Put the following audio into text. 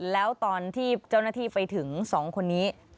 แล้วตอนที่เจ้าหน้าที่ไปถึง๒คนนี้